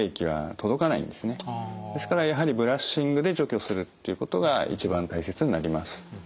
ですからやはりブラッシングで除去するということが一番大切になります。